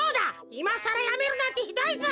いまさらやめるなんてひどいぞ！